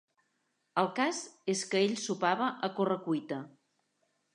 El cas és que ell sopava a corre-cuita